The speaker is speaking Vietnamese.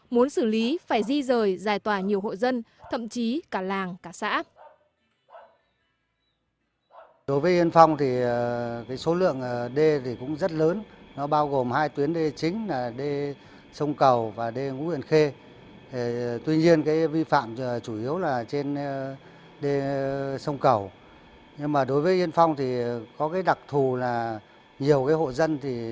muốn xử lý phải di rời giải tỏa nhiều hộ dân thậm chí cả làng cả xã